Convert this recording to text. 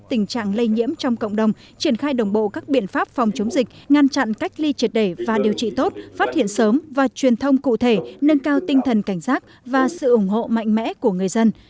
tình trạng lây nhiễm trong cộng đồng triển khai đồng bộ các biện pháp phòng chống dịch ngăn chặn cách ly triệt để và điều trị tốt phát hiện sớm và truyền thông cụ thể nâng cao tinh thần cảnh giác và sự ủng hộ mạnh mẽ của người dân